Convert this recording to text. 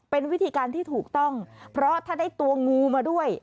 เป็นวิธีการที่ถูกต้องเพราะถ้าได้ตัวงูมาด้วย